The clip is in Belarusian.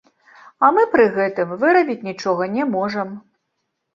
А мы пры гэтым вырабіць нічога не можам.